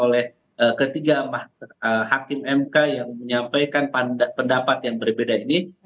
oleh ketiga hakim mk yang menyampaikan pendapat yang berbeda ini